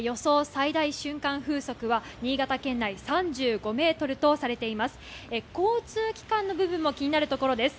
最大瞬間風速は新潟県内３５メートルとされています。